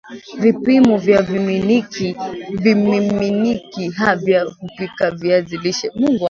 Vipimo vya vimiminika vya kupikia viazi lishe